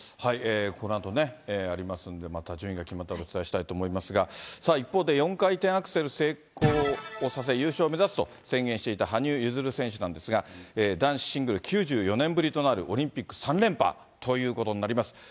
このあとね、ありますんで、また順位が決まったらお伝えしたいと思いますが、さあ、一方で４回転アクセルを成功をさせ、優勝を目指すと宣言していた羽生結弦選手なんですが、男子シングル、９４年ぶりとなるオリンピック３連覇ということになります。